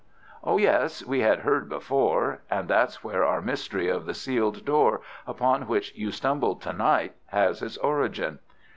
"Oh, yes, we had heard before, and that's where our mystery of the sealed door, upon which you stumbled to night, has its origin.